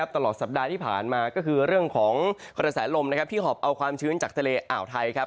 ตลอดสัปดาห์ที่ผ่านมาก็คือเรื่องของกระแสลมที่หอบเอาความชื้นจากทะเลอ่าวไทยครับ